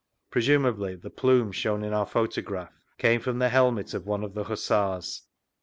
Presumably the plume shown in our photograph came from the helmet of one of the Hussars.